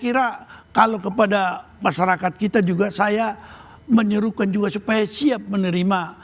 saya kira kalau kepada masyarakat kita juga saya menyerukan juga supaya siap menerima